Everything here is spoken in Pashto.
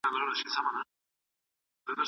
و شها ته فرش په لار د بنارس شول